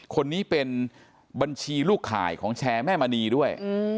คนนี้เป็นบัญชีลูกข่ายของแชร์แม่มณีด้วย